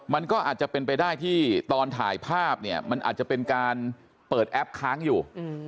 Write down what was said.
มันก็อาจจะเป็นไปได้ที่ตอนถ่ายภาพเนี่ยมันอาจจะเป็นการเปิดแอปค้างอยู่